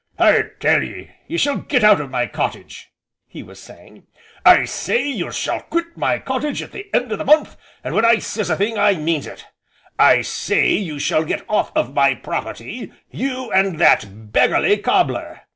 "I tell ye you shall get out o' my cottage!" he was saying, "I say you shall quit my cottage at the end o' the month, and when I says a thing, I means it, I say you shall get off of my property, you and that beggarly cobbler.